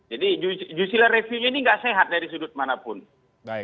jadi judicial review ini nggak sehat dari sudut mana pun